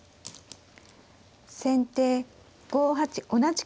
先手５八同じく玉。